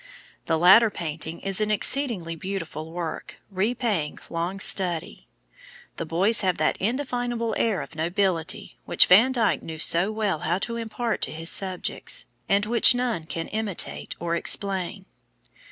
The latter painting is an exceedingly beautiful work, repaying long study. The boys have that indefinable air of nobility which Van Dyck knew so well how to impart to his subjects, and which none can imitate or explain.